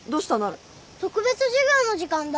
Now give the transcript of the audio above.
特別授業の時間だ。